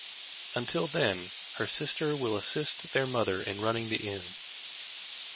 Until then, her sister will assist their mother in running the inn.